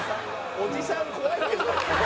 「おじさん怖い」「」